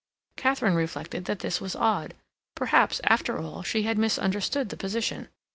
Katharine reflected that this was odd; perhaps, after all, she had misunderstood the position.